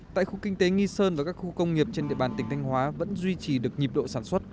tại khu kinh tế nghi sơn và các khu công nghiệp trên địa bàn tỉnh thanh hóa vẫn duy trì được nhịp độ sản xuất